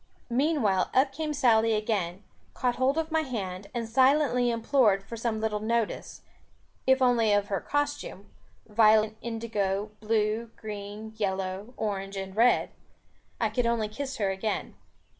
Meanwhile up came Sally again, caught hold of my hand, and silently implored for some little notice, if only of her costume, violet, indigo, blue, green, yellow, orange and red. I could only kiss her again.